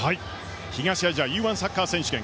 東アジアＥ‐１サッカー選手権